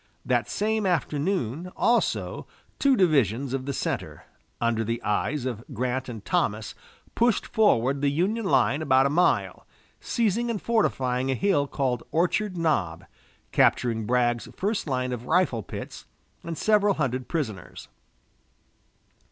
That same afternoon, also, two divisions of the center, under the eyes of Grant and Thomas, pushed forward the Union line about a mile, seizing and fortifying a hill called Orchard Knob, capturing Bragg's first line of rifle pits and several hundred prisoners.